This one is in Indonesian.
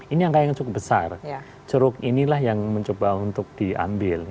ini angka yang cukup besar ceruk inilah yang mencoba untuk diambil